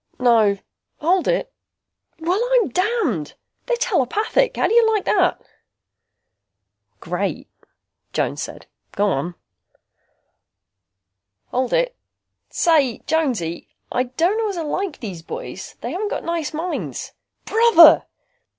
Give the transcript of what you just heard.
"No. Hold it. Well I'm damned! They're telepathic! How do you like that?" "Great," Jones said. "Go on." "Hold it. Say, Jonesy, I don't know as I like these boys. They haven't got nice minds. Brother!"